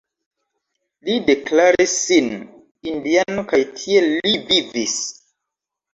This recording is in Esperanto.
Li deklaris sin indiano kaj tiel li vivis.